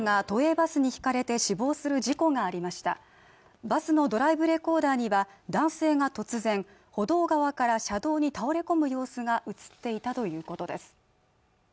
バスのドライブレコーダーには、男性が突然、歩道側から車道側に倒れ込む様子が映っていたということです。